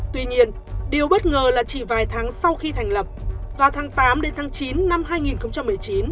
tuy nhiên điều bất ngờ là chỉ vài tháng sau khi thành lập vào tháng tám đến tháng chín năm hai nghìn một mươi chín